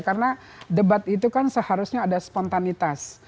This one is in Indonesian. karena debat itu kan seharusnya ada spontanitas